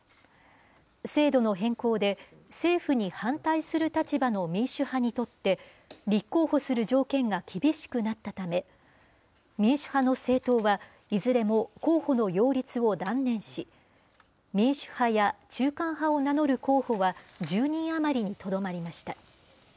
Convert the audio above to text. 制度の変更で、政府に反対する立場の民主派にとって、立候補する条件が厳しくなったため、民主派の政党は、いずれも候補の擁立を断念し、民主派や中間派を名乗る候補は１０人余りにとどまりました。